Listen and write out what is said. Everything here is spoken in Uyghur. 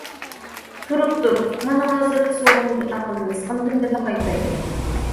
!... تۇرۇپ تۇر، مانا ھازىرلا سورۇنغا دۇئا قىلىمىز، ئاندىن بىللە قايتايلى!!!...